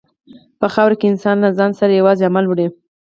په خاوره کې انسان له ځان سره یوازې عمل وړي.